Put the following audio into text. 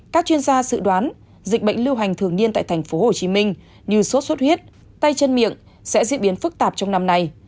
các chuyên gia dự đoán dịch bệnh lưu hành thường niên tại tp hcm như sốt xuất huyết tay chân miệng sẽ diễn biến phức tạp trong năm nay